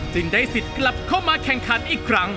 ได้สิทธิ์กลับเข้ามาแข่งขันอีกครั้ง